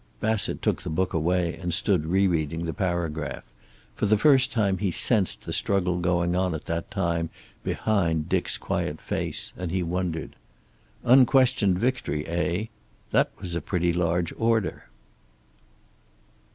Bassett took the book away and stood rereading the paragraph. For the first time he sensed the struggle going on at that time behind Dick's quiet face, and he wondered. Unquestioned victory, eh? That was a pretty large order.